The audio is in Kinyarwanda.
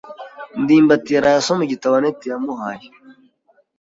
ndimbati yaraye asoma igitabo anet yamuhaye.